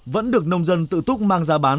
vẫn được nông dân tự túc mang ra bán